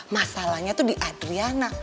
masalahnya tuh di adriana